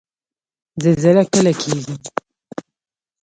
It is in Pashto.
زلزله کله کیږي؟